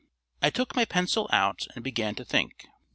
I took my pencil out and began to think.